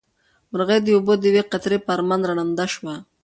مرغۍ د اوبو د یوې قطرې په ارمان ړنده شوه.